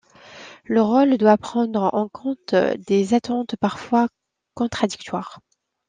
Le rôle doit prendre en compte des attentes parfois contradictoires.